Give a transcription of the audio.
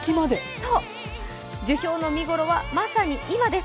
そう、樹氷の見頃はまさに今です。